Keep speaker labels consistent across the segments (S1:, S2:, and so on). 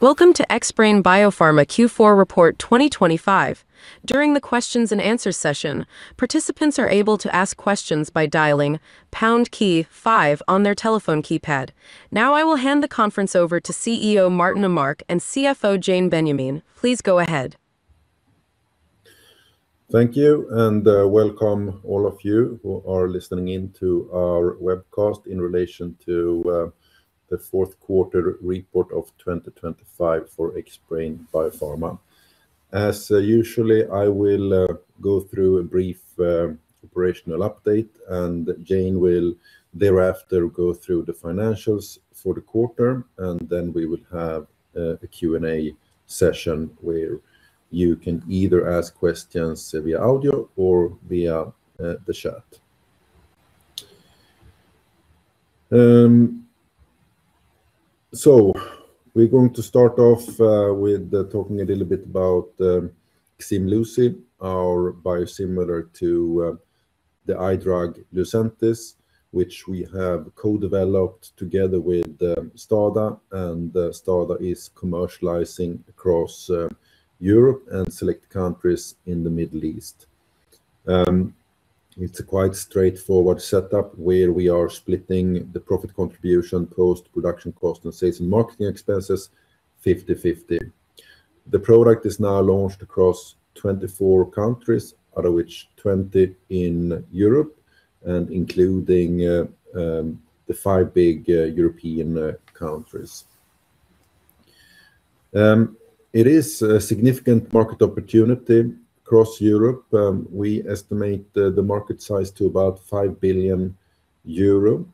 S1: Welcome to Xbrane Biopharma Q4 Report 2025. During the questions and answers session, participants are able to ask questions by dialing pound key five on their telephone keypad. Now, I will hand the conference over to CEO Martin Åmark and CFO Jane Benyamin. Please go ahead.
S2: Thank you, and welcome all of you who are listening in to our webcast in relation to the fourth quarter report of 2025 for Xbrane Biopharma. As usual, I will go through a brief operational update, and Jane will thereafter go through the financials for the quarter. And then we will have a Q&A session, where you can either ask questions via audio or via the chat. So we're going to start off with talking a little bit about Ximluci, our biosimilar to the eye drug Lucentis, which we have co-developed together with STADA, and STADA is commercializing across Europe and select countries in the Middle East. It's a quite straightforward setup, where we are splitting the profit contribution, post-production cost, and sales and marketing expenses 50/50. The product is now launched across 24 countries, out of which 20 in Europe and including the five big European countries. It is a significant market opportunity across Europe. We estimate the market size to about 5 billion euro,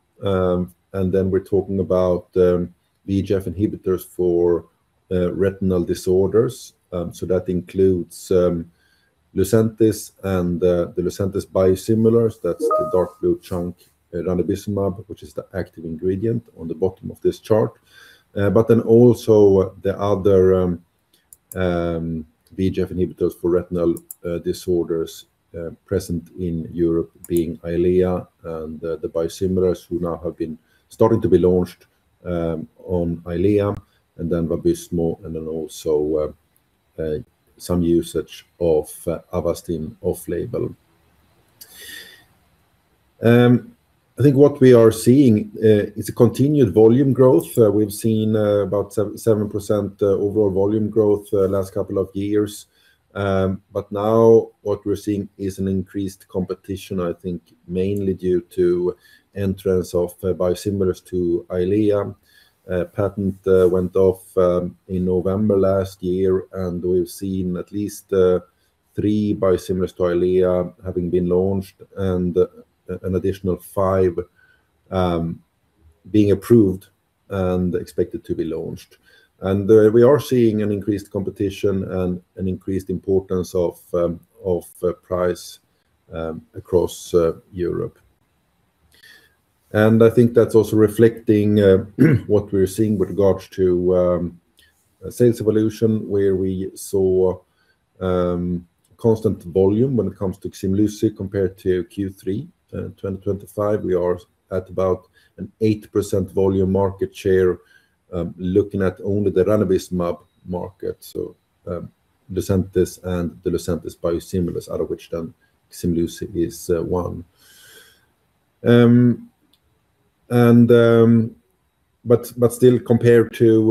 S2: and then we're talking about VEGF inhibitors for retinal disorders. So that includes Lucentis and the Lucentis biosimilars. That's the dark blue chunk, ranibizumab, which is the active ingredient on the bottom of this chart. But then also the other VEGF inhibitors for retinal disorders present in Europe, being Eylea and the biosimilars, who now have been starting to be launched on Eylea and then Vabysmo, and then also some usage of Avastin off label. I think what we are seeing is a continued volume growth. We've seen about 7% overall volume growth the last couple of years. What we're seeing now is increased competition, I think mainly due to entrance of biosimilars to Eylea. Patent went off in November last year, and we've seen at least three biosimilars to Eylea having been launched and an additional five being approved and expected to be launched. We are seeing increased competition and an increased importance of price across Europe. I think that's also reflecting what we're seeing with regards to sales evolution, where we saw constant volume when it comes to Ximluci compared to Q3 2025. We are at about an 8% volume market share, looking at only the ranibizumab market. So, Lucentis and the Lucentis biosimilars, out of which then Ximluci is one. But still compared to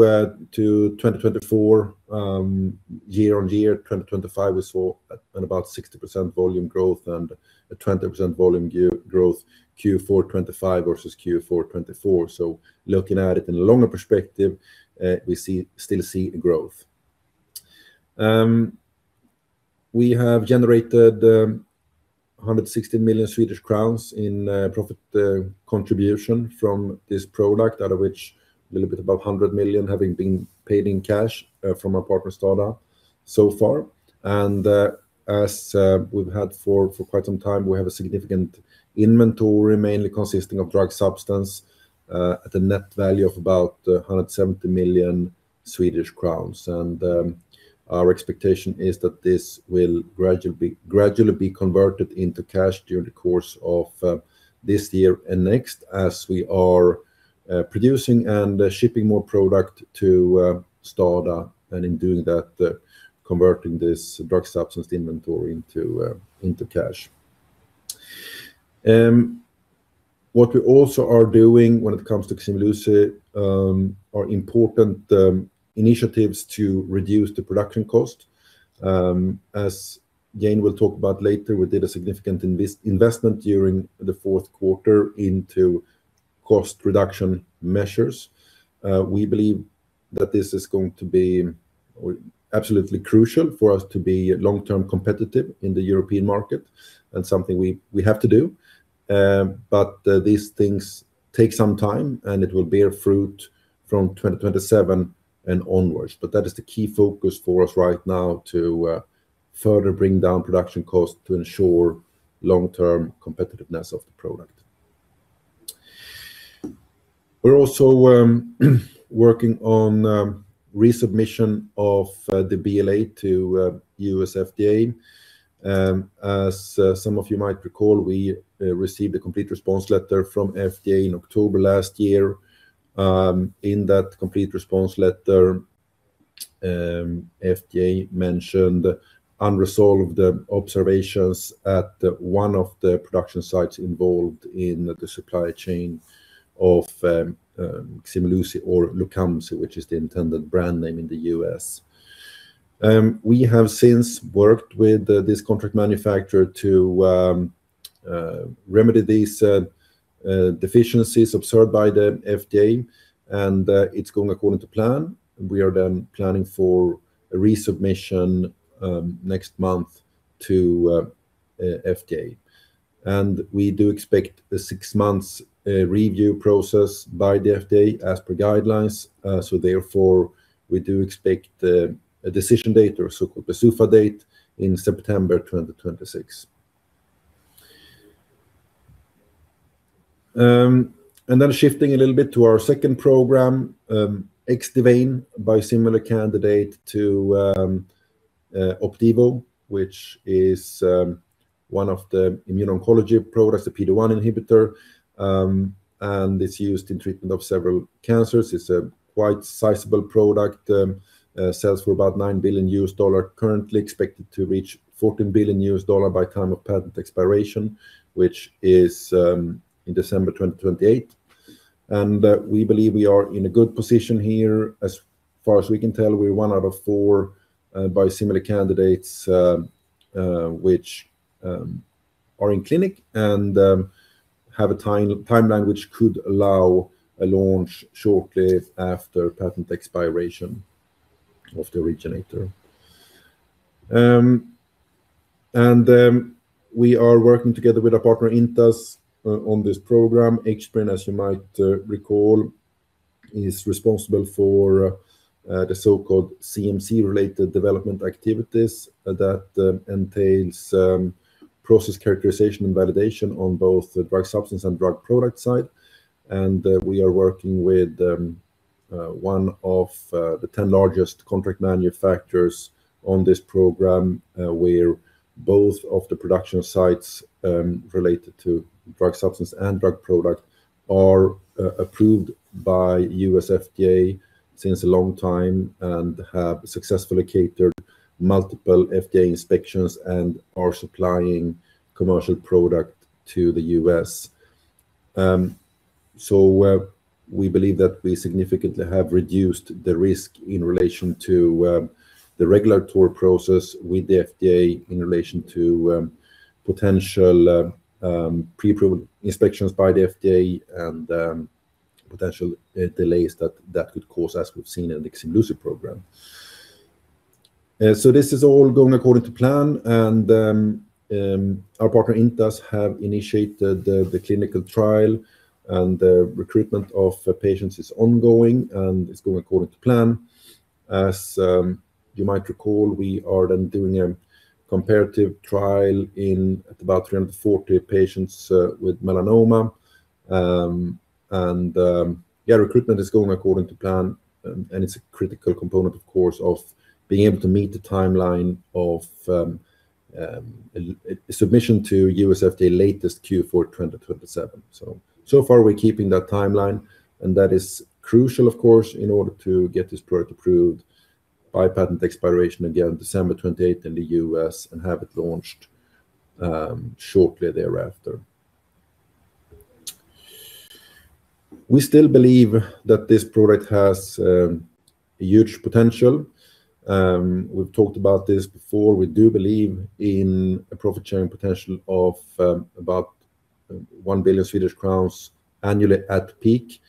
S2: 2024, year-on-year, 2025, we saw about 60% volume growth and a 20% volume year growth, Q4 2025 versus Q4 2024. So looking at it in a longer perspective, we still see growth. We have generated 160 million Swedish crowns in profit contribution from this product, out of which a little bit above 100 million having been paid in cash from our partner STADA so far. As we've had for quite some time, we have a significant inventory, mainly consisting of drug substance, at a net value of about 170 million Swedish crowns. Our expectation is that this will gradually, gradually be converted into cash during the course of this year and next, as we are producing and shipping more product to STADA, and in doing that, converting this drug substance inventory into into cash. What we also are doing when it comes to Ximluci are important initiatives to reduce the production cost. As Jane will talk about later, we did a significant investment during the fourth quarter into cost reduction measures. We believe that this is going to be absolutely crucial for us to be long-term competitive in the European market and something we have to do. But these things take some time, and it will bear fruit from 2027 and onwards. But that is the key focus for us right now to further bring down production cost to ensure long-term competitiveness of the product. We're also working on resubmission of the BLA to the U.S. FDA. As some of you might recall, we received a Complete Response Letter from FDA in October last year. In that Complete Response Letter, FDA mentioned unresolved observations at one of the production sites involved in the supply chain of Ximluci or Lucamzi, which is the intended brand name in the US. We have since worked with this contract manufacturer to remedy these deficiencies observed by the FDA, and it's going according to plan. We are then planning for a resubmission next month to FDA. We do expect a six months review process by the FDA as per guidelines. So therefore, we do expect a decision date or a so-called CDER date in September 2026. And then shifting a little bit to our second program, Xdivane, biosimilar candidate to Opdivo, which is one of the immuno-oncology products, the PD-1 inhibitor. And it's used in treatment of several cancers. It's a quite sizable product, sells for about $9 billion, currently expected to reach $14 billion by time of patent expiration, which is in December 2028. And we believe we are in a good position here. As far as we can tell, we're one out of four biosimilar candidates which are in clinic and have a timeline which could allow a launch shortly after patent expiration of the originator. We are working together with our partner, Intas, on this program. Xbrane, as you might recall, is responsible for the so-called CMC-related development activities that entails process characterization and validation on both the drug substance and drug product side. We are working with one of the 10 largest contract manufacturers on this program, where both of the production sites related to drug substance and drug product are approved by U.S. FDA since a long time and have successfully cleared multiple FDA inspections and are supplying commercial product to the US. We believe that we significantly have reduced the risk in relation to the regulatory process with the FDA in relation to potential pre-approval inspections by the FDA and potential delays that that could cause, as we've seen in the Ximluci program. This is all going according to plan, and our partner, Intas, have initiated the clinical trial, and the recruitment of patients is ongoing, and it's going according to plan. As you might recall, we are then doing a comparative trial in about 340 patients with melanoma. Recruitment is going according to plan, and it's a critical component, of course, of being able to meet the timeline of submission to U.S. FDA latest Q4 2027. So far, we're keeping that timeline, and that is crucial, of course, in order to get this product approved by patent expiration, again, December 28 in the U.S. and have it launched shortly thereafter. We still believe that this product has a huge potential. We've talked about this before. We do believe in a profit-sharing potential of about 1 billion Swedish crowns annually at peak.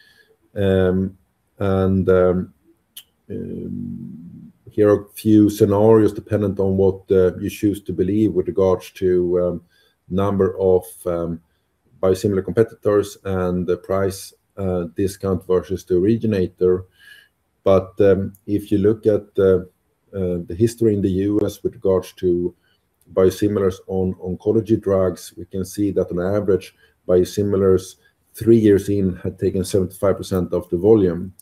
S2: Here are a few scenarios dependent on what you choose to believe with regards to number of biosimilar competitors and the price discount versus the originator. If you look at the history in the U.S. with regards to biosimilars on oncology drugs, we can see that on average, biosimilars, three years in, had taken 75% of the volume.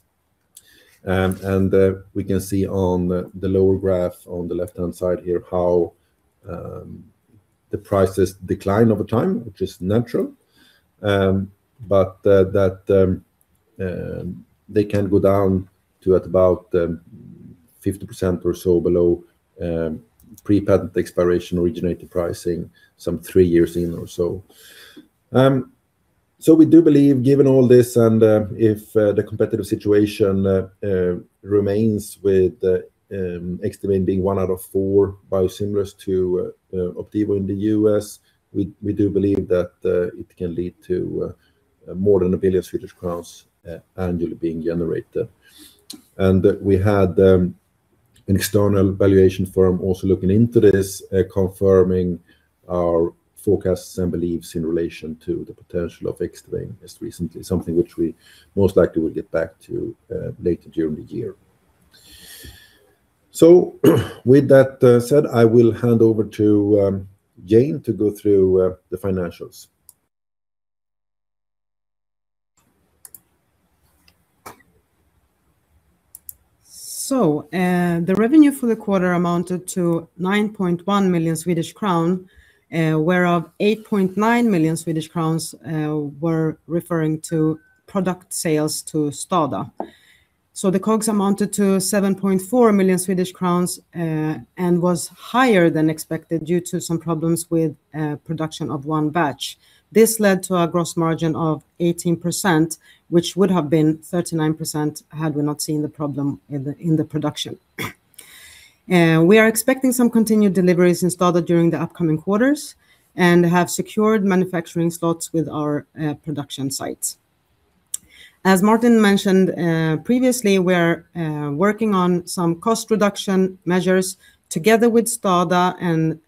S2: We can see on the lower graph on the left-hand side here how the prices decline over time, which is natural. That they can go down to at about 50% or so below pre-patent expiration originator pricing, some three years in or so. We do believe, given all this, and if the competitive situation remains with Xdivane being one out of four biosimilars to Opdivo in the U.S., we do believe that it can lead to more than 1 billion Swedish crowns annually being generated. We had an external valuation firm also looking into this, confirming our forecasts and beliefs in relation to the potential of Xdivane just recently, something which we most likely will get back to later during the year. With that said, I will hand over to Jane to go through the financials.
S3: The revenue for the quarter amounted to 9.1 million Swedish crown, whereof 8.9 million Swedish crowns were referring to product sales to STADA. The COGS amounted to 7.4 million Swedish crowns and was higher than expected due to some problems with production of one batch. This led to a gross margin of 18%, which would have been 39% had we not seen the problem in the production. We are expecting some continued deliveries to STADA during the upcoming quarters and have secured manufacturing slots with our production sites. As Martin mentioned, previously, we're working on some cost reduction measures together with STADA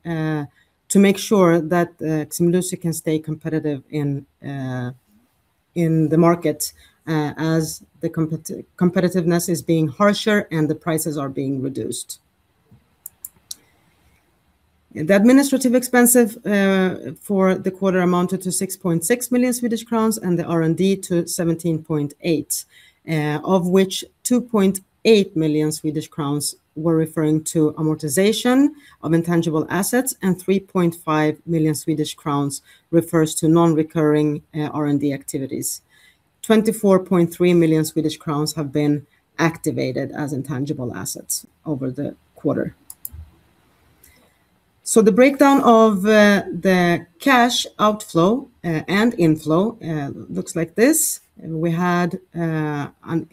S3: to make sure that Ximluci can stay competitive in the market as the competitiveness is being harsher and the prices are being reduced. The administrative expenses for the quarter amounted to 6.6 million Swedish crowns, and the R&D to 17.8 million, of which 2.8 million Swedish crowns were referring to amortization of intangible assets, and 3.5 million Swedish crowns refers to non-recurring R&D activities. 24.3 million Swedish crowns have been activated as intangible assets over the quarter. So the breakdown of the cash outflow and inflow looks like this. We had an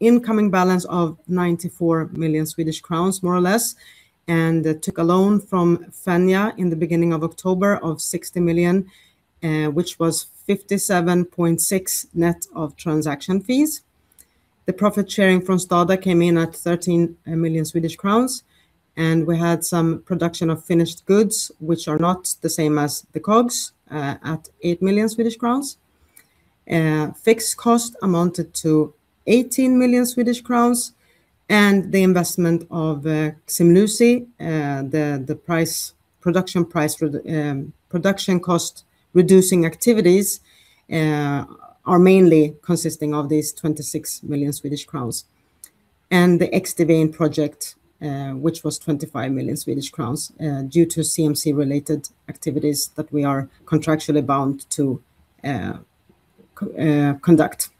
S3: incoming balance of 94 million Swedish crowns, more or less, and took a loan from Fenja in the beginning of October of 60 million, which was 57.6 million net of transaction fees. The profit sharing from STADA came in at 13 million Swedish crowns, and we had some production of finished goods, which are not the same as the COGS, at 8 million Swedish crowns. Fixed cost amounted to 18 million Swedish crowns, and the investment of Ximluci, the price, production price for the production cost, reducing activities, are mainly consisting of these 26 million Swedish crowns. The Xdivane project, which was 25 million Swedish crowns, due to CMC-related activities that we are contractually bound to conduct.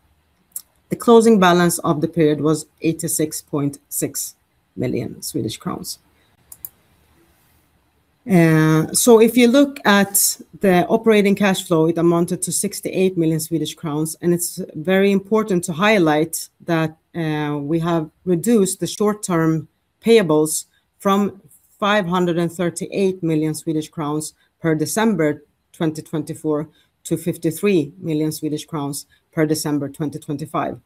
S3: The closing balance of the period was 86.6 million Swedish crowns. So if you look at the operating cash flow, it amounted to 68 million Swedish crowns, and it's very important to highlight that we have reduced the short-term payables from 538 million Swedish crowns per December 2024 to 53 million Swedish crowns per December 2025.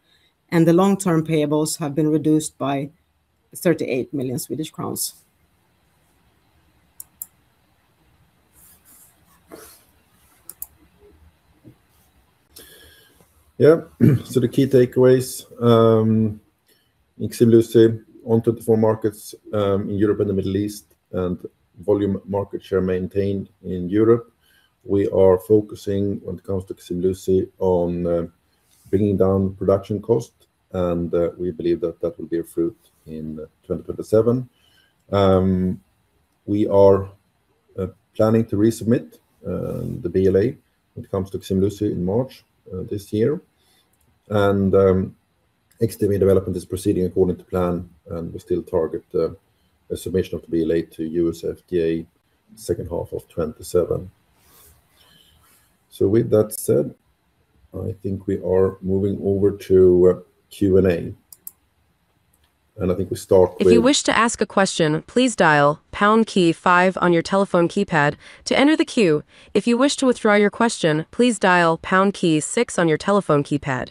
S3: The long-term payables have been reduced by 38 million Swedish crowns.
S2: Yeah. So the key takeaways, Ximluci on 24 markets in Europe and the Middle East, and volume market share maintained in Europe. We are focusing, when it comes to Ximluci, on bringing down production cost, and we believe that that will bear fruit in 2027. We are planning to resubmit the BLA when it comes to Ximluci in March this year. And Xdivane development is proceeding according to plan, and we still target a submission of the BLA to U.S. FDA second half of 2027. So with that said, I think we are moving over to Q&A, and I think we start with-
S1: If you wish to ask a question, please dial pound key five on your telephone keypad to enter the queue. If you wish to withdraw your question, please dial pound key six on your telephone keypad.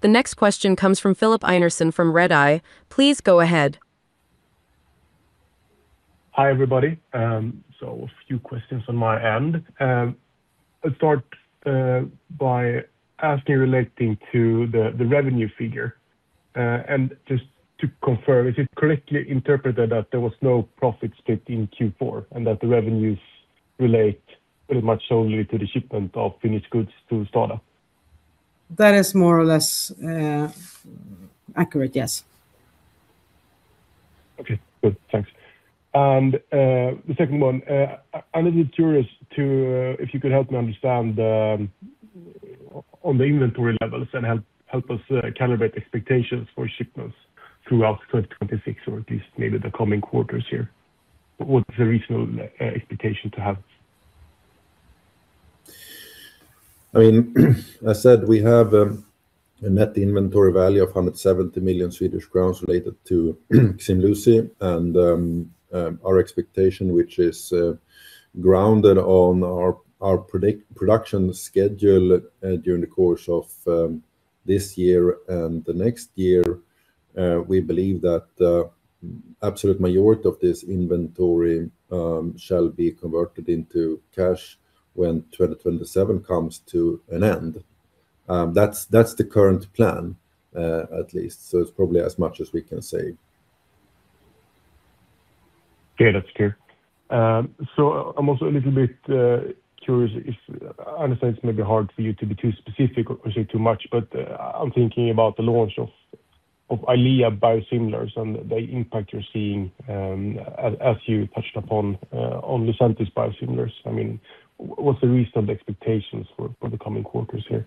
S1: The next question comes from Filip Einarsson from Redeye. Please go ahead.
S4: Hi, everybody. So a few questions on my end. I'll start by asking relating to the revenue figure. And just to confirm, is it correctly interpreted that there was no profit split in Q4 and that the revenues relate pretty much solely to the shipment of finished goods to STADA?
S3: That is more or less accurate, yes.
S4: Okay, good. Thanks. And the second one, I'm a little curious to... if you could help me understand on the inventory levels and help us calibrate expectations for shipments throughout 2026, or at least maybe the coming quarters here. What's the reasonable expectation to have?
S2: I mean, I said we have a net inventory value of 170 million Swedish crowns related to Ximluci and our expectation, which is grounded on our production schedule during the course of this year and the next year. We believe that the absolute majority of this inventory shall be converted into cash when 2027 comes to an end. That's the current plan, at least, so it's probably as much as we can say.
S4: Okay, that's clear. So I'm also a little bit curious if... I understand it's maybe hard for you to be too specific or say too much, but I'm thinking about the launch of Eylea biosimilars and the impact you're seeing, as you touched upon, on Lucentis biosimilars. I mean, what's the recent expectations for the coming quarters here?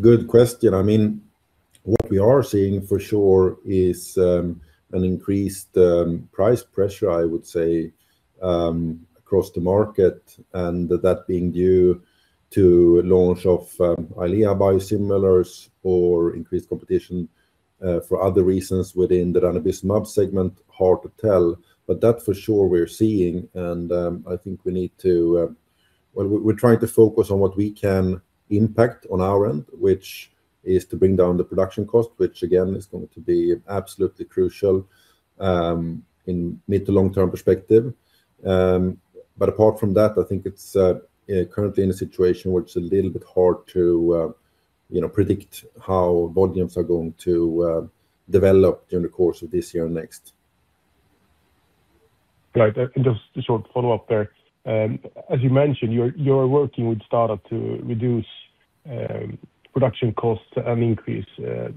S2: Good question. I mean, what we are seeing for sure is, an increased, price pressure, I would say, across the market, and that being due to launch of, Eylea biosimilars or increased competition, for other reasons within the ranibizumab segment. Hard to tell, but that for sure we're seeing, and, I think we need to... Well, we're, we're trying to focus on what we can impact on our end, which is to bring down the production cost. Which, again, is going to be absolutely crucial, in mid to long-term perspective. But apart from that, I think it's, currently in a situation where it's a little bit hard to, you know, predict how volumes are going to, develop during the course of this year or next.
S4: Right. Just a short follow-up there. As you mentioned, you're working with STADA to reduce production costs and increase the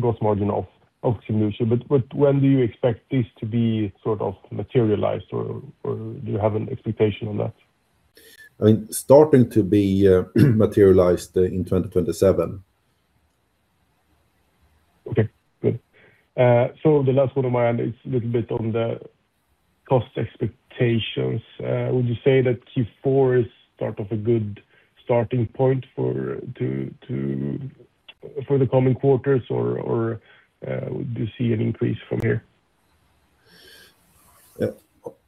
S4: gross margin of Ximluci. But when do you expect this to be sort of materialized, or do you have an expectation on that?
S2: I mean, starting to be materialized in 2027.
S4: Okay, good. So the last one on my end is a little bit on the cost expectations. Would you say that Q4 is sort of a good starting point for the coming quarters, or would you see an increase from here?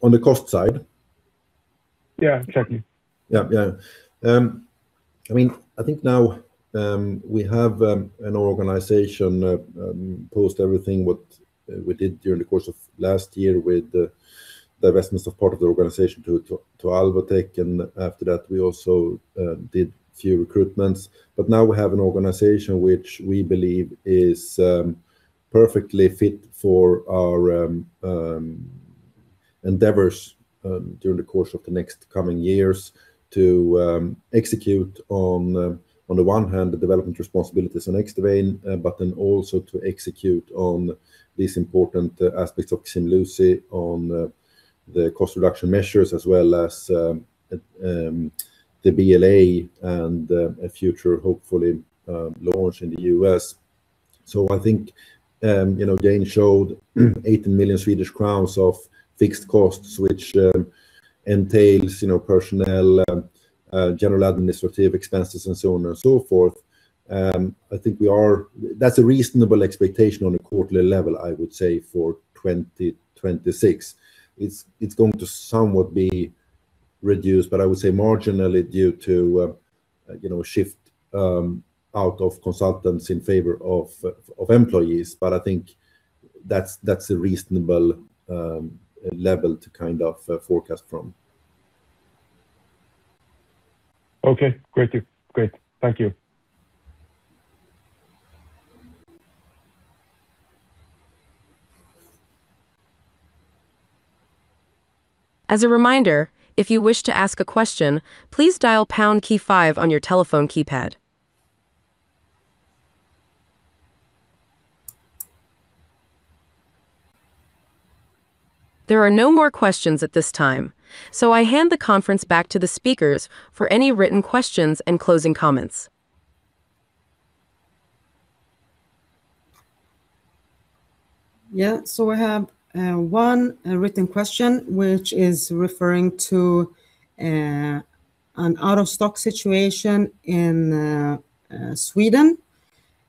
S2: On the cost side?
S4: Yeah, exactly.
S2: Yeah, yeah. I mean, I think now we have an organization post everything what we did during the course of last year with the divestments of part of the organization to Alvotech, and after that, we also did few recruitments. But now we have an organization which we believe is perfectly fit for our endeavors during the course of the next coming years to execute on, on the one hand, the development responsibilities on Xdivane, but then also to execute on these important aspects of Ximluci, on the cost reduction measures, as well as the BLA and a future, hopefully, launch in the U.S. So I think, you know, Jane showed 80 million Swedish crowns of fixed costs, which, entails, you know, personnel, general administrative expenses, and so on and so forth. I think that's a reasonable expectation on a quarterly level, I would say, for 2026. It's, it's going to somewhat be reduced, but I would say marginally due to, you know, shift, out of consultants in favor of, of employees. But I think that's, that's a reasonable, level to kind of, forecast from.
S4: Okay. Great. Thank you.
S1: As a reminder, if you wish to ask a question, please dial #5 on your telephone keypad. There are no more questions at this time, so I hand the conference back to the speakers for any written questions and closing comments.
S3: Yeah. So we have one written question, which is referring to an out-of-stock situation in Sweden.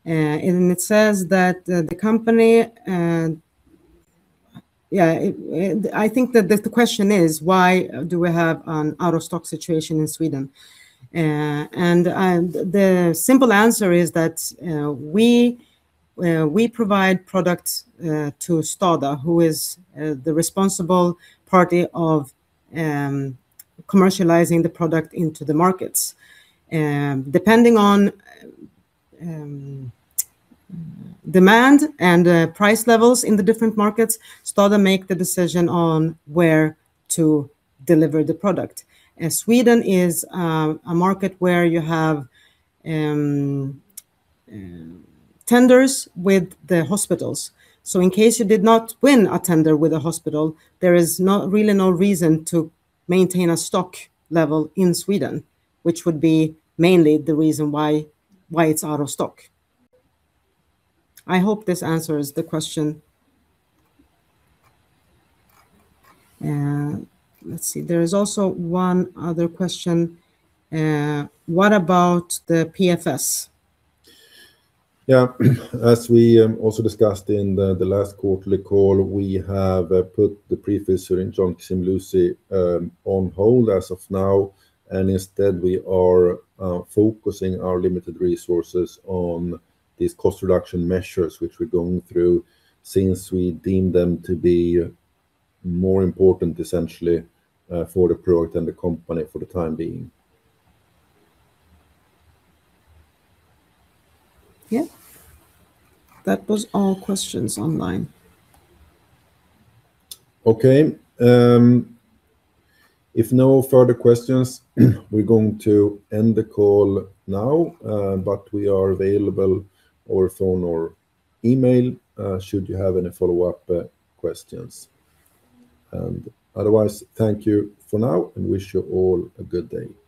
S3: And it says that the company... Yeah, it I think that the question is why do we have an out-of-stock situation in Sweden? And the simple answer is that we provide products to STADA, who is the responsible party of commercializing the product into the markets. Depending on demand and price levels in the different markets, STADA make the decision on where to deliver the product. And Sweden is a market where you have tenders with the hospitals. So in case you did not win a tender with a hospital, there is not, really no reason to maintain a stock level in Sweden, which would be mainly the reason why it's out of stock. I hope this answers the question. Let's see. There is also one other question. What about the PFS?
S2: Yeah. As we also discussed in the last quarterly call, we have put the pre-filled syringe in Ximluci on hold as of now, and instead, we are focusing our limited resources on these cost reduction measures, which we're going through, since we deem them to be more important, essentially, for the product and the company for the time being.
S3: Yeah. That was all questions online.
S2: Okay. If no further questions, we're going to end the call now, but we are available over phone or email, should you have any follow-up questions. Otherwise, thank you for now, and wish you all a good day.
S3: Thank you.